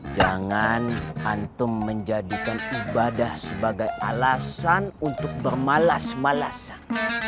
jangan antum menjadikan ibadah sebagai alasan untuk bermalas malasan